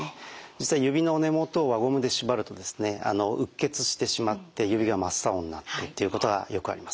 実は指の根元を輪ゴムでしばるとうっ血してしまって指が真っ青になってっていうことがよくあります。